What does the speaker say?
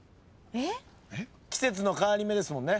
「季節の変わり目」ですもんね。